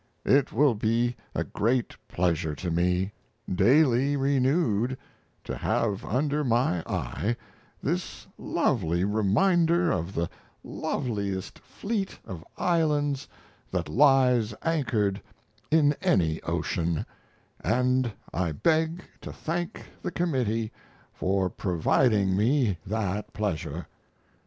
It will be a great pleasure to me, daily renewed, to have under my eye this lovely reminder of the loveliest fleet of islands that lies anchored in any ocean, & I beg to thank the committee for providing me that pleasure.